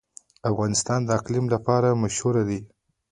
افغانستان د اقلیم لپاره مشهور دی.